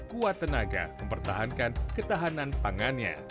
kuat tenaga mempertahankan ketahanan pangannya